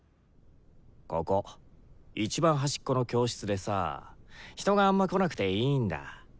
ここいちばん端っこの教室でさ人があんま来なくていいんだ。